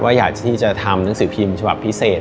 อยากที่จะทำหนังสือพิมพ์ฉบับพิเศษ